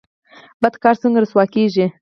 بد کار څنګه رسوا کیږي؟